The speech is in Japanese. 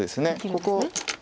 ここ。